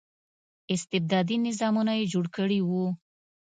استبدادي نظامونه یې جوړ کړي وو.